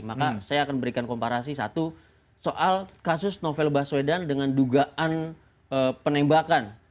maka saya akan berikan komparasi satu soal kasus novel baswedan dengan dugaan penembakan